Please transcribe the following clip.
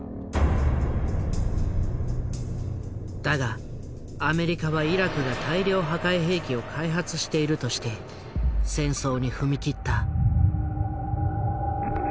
だがアメリカはイラクが大量破壊兵器を開発しているとして戦争に踏み切った。